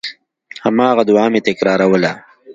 هماغه دعا مې تکراروله.